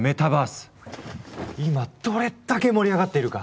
今どれだけ盛り上がっているか！